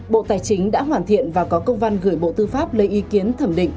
bộ tài chính đã hoàn thiện và có công văn gửi bộ tư pháp lấy ý kiến thẩm định